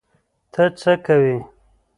ته څه کوی؟